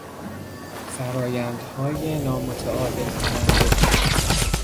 فرآیندهای نامتعادل کننده